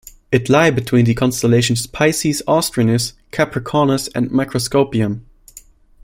It lie between the constellations Piscis Austrinus, Capricornus and Microscopium.